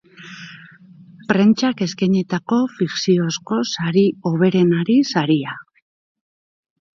Prentsak eskainitako fikziozko sari hoberenari saria.